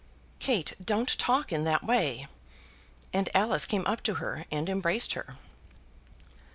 "Kate, don't talk in that way," and Alice came up to her and embraced her.